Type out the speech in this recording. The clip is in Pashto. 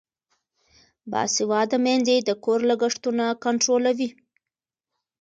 باسواده میندې د کور لګښتونه کنټرولوي.